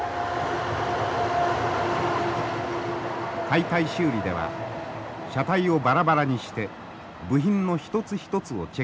解体修理では車体をバラバラにして部品の一つ一つをチェックします。